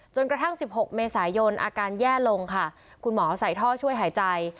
กระทั่ง๑๖เมษายนอาการแย่ลงค่ะคุณหมอใส่ท่อช่วยหายใจ